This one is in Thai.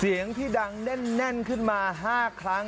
เสียงที่ดังแน่นขึ้นมา๕ครั้ง